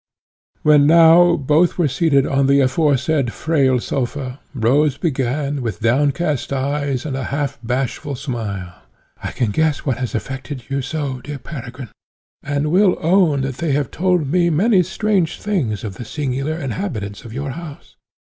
When now both were seated on the aforesaid frail sofa, Rose began, with downcast eyes, and a half bashful smile, "I can guess what has affected you so, dear Peregrine, and will own that they have told me many strange things of the singular inhabitants of your house.